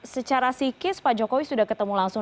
secara psikis pak jokowi sudah ketemu langsung